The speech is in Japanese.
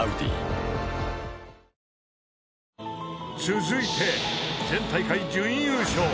［続いて前大会準優勝］